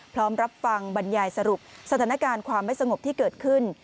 พร้อมรับฟังบรรยายสรุปสถานการณ์ความไม่สงบที่เกิดขึ้น